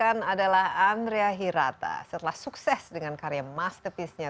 anda akan belajar dari manis